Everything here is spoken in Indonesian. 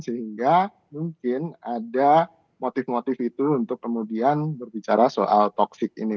sehingga mungkin ada motif motif itu untuk kemudian berbicara soal toxic ini